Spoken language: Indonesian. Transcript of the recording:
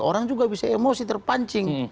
orang juga bisa emosi terpancing